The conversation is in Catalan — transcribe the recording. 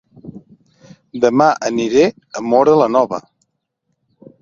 Dema aniré a Móra la Nova